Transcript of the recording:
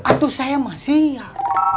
atuh saya mah siap